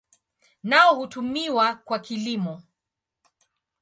Nao hutumiwa kwa kilimo.